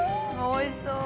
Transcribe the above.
おいしそう。